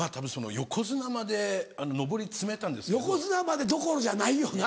横綱までどころじゃないよな。